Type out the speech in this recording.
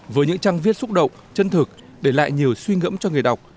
với những trang viết xúc động chân thực để lại nhiều suy ngẫm cho người đọc